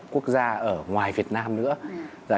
quốc gia ở ngoài việt nam nữa